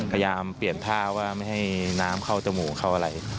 พยายามเปลี่ยนท่าว่าไม่ให้น้ำเข้าจมูกเข้าอะไร